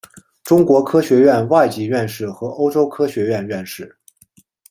中国科学院外籍院士和欧洲科学院院士。